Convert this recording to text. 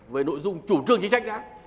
về nội dung chủ trương chính sách đã